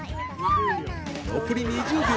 残り２０秒！